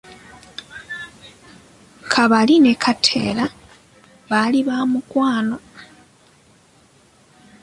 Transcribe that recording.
Kabali ne Kateera baali ba mukwano.